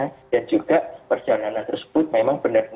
sehingga nanti kalau siap itu memang sudah minim terjadi gangguan